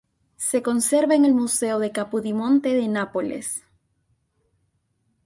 Se conserva en el Museo de Capodimonte de Nápoles.